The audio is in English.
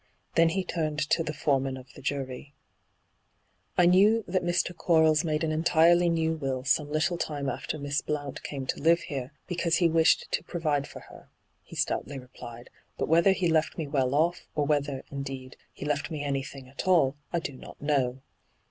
Then he turned to the foreman of the jury. D,gt,, 6rtbyGOO>^IC 70 ENTRAPPED ' I knew that Mr. Quarlea made an entirely new will some little time after Miss Blount came to live here, because he wished to pro vide for her,' he stoutly replied. ' But whether he left me well off, or whether, indeed, he left me anything at all, I do not know.'